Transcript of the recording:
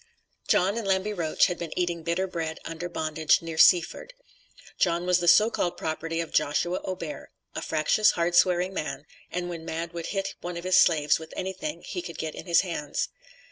John and Lamby Roach had been eating bitter bread under bondage near Seaford. John was the so called property of Joshua O'Bear, "a fractious, hard swearing man, and when mad would hit one of his slaves with anything he could get in his hands."